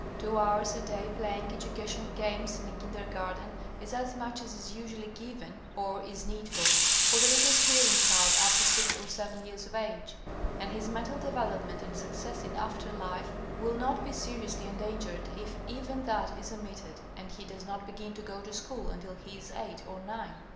Two hours a day playing educational games in a kindergarten is as much as is usually given, or is needful, for the little hearing child up to six or seven years of age; and his mental development and success in after life will not be seriously endangered if even that is omitted and he does not begin to go to school until he is eight or nine.